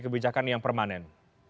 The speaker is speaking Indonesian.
kebijakan yang permanen